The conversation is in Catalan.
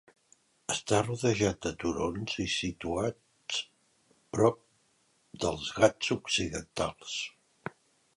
Està rodejat de turons i situats prop dels Ghats occidentals.